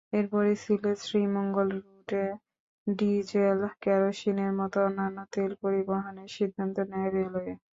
এরপরই সিলেট-শ্রীমঙ্গল রুটে ডিজেল, কেরোসিনের মতো অন্যান্য তেল পরিবহনের সিদ্ধান্ত নেয় রেলওয়ে।